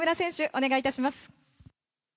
お願いいたします。